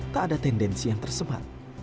tak ada tendensi yang tersebar